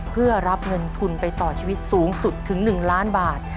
เพื่อรับเงินทุนไปต่อชีวิตสูงสุดถึง๑ล้านบาท